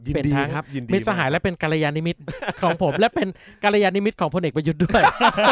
ยินดีครับยินดีมากเป็นทั้งมิสสาหายและเป็นกรยานิมิตรของผมและเป็นกรยานิมิตรของพลเอกไปหยุดด้วย